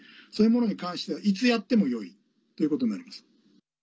そういうものに関してはいつやってもよいということになります。